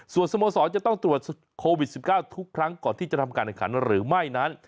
ส่วนสโมสรจะต้องตรวจโควิด๑๙ทุกครั้งก่อนที่จะทำการแข่งขันหรือไม่นั้น